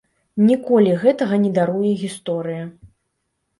Ніколі гэтага не даруе гісторыя!